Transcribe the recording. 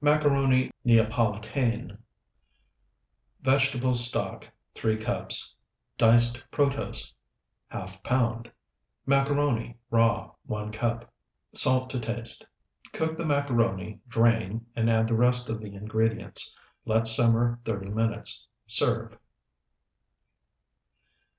MACARONI NEAPOLITAINE Vegetable stock, 3 cups. Diced protose, ½ pound. Macaroni, raw, 1 cup. Salt to taste. Cook the macaroni, drain, and add the rest of the ingredients. Let simmer thirty minutes. Serve.